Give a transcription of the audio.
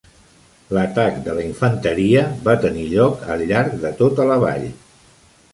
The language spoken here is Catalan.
L'atac de la infanteria va tenir lloc al llarg de tota la vall.